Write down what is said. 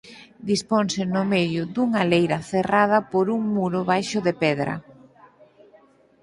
Disponse no medio dunha leira cerrada por un muro baixo de pedra.